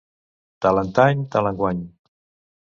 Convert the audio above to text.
Tal antany, tal enguany.